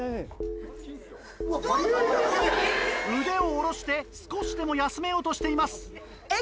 腕を下ろして少しでも休めようとしています。